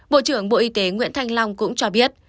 bộ trưởng bộ y tế nguyễn thanh long cũng cho biết